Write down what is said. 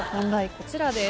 こちらです。